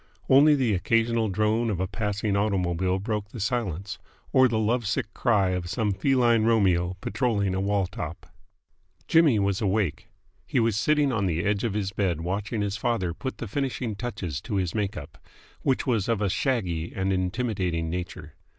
Only the occasional drone of a passing automobile broke the silence, or the love sick cry of some feline Romeo patrolling a wall top. Jimmy was awake. He was sitting on the edge of his bed watching his father put the finishing touches to his make up, which was of a shaggy and intimidating nature.